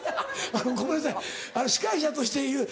あのごめんなさい司会者として言う。